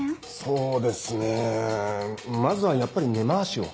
そうですねぇまずはやっぱり根回しを。